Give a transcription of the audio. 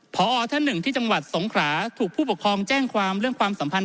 พอท่านหนึ่งที่จังหวัดสงขราถูกผู้ปกครองแจ้งความเรื่องความสัมพันธ